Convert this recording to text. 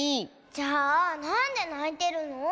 じゃあなんでないてるの？